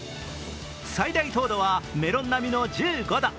最大糖度はメロン並みの１５度。